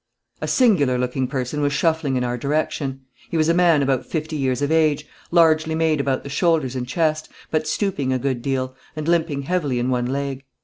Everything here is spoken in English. A singular looking person was shuffling in our direction. He was a man about fifty years of age, largely made about the shoulders and chest, but stooping a good deal, and limping heavily in one leg.